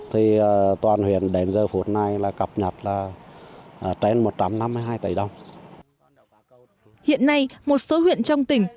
hiện nay một số huyện trong tỉnh